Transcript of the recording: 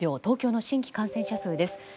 東京の新規感染者数です。